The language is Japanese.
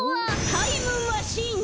タイムマシーンだ！